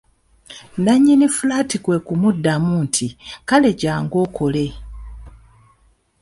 Nannyini fulaati kwe kumuddamu nti:"kale jjangu okole"